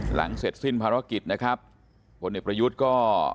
หลังเสร็จสิ้นภารกิจนะครับพลเอกประยุทธ์ก็